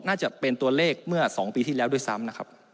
น่าจะเป็นตัวเลขเมื่อ๒ปีที่แล้วด้วยซ้ำนะครับ